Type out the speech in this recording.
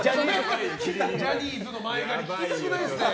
ジャニーズの前借りって聞きたくないな。